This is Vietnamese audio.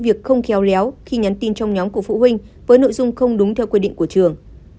cô giáo ltl đã không khéo léo khi nhắn tin trong nhóm của phụ huynh với nội dung không đúng theo quy định của trường